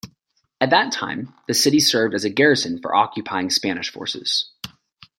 At that time, the city served as a garrison for occupying Spanish forces.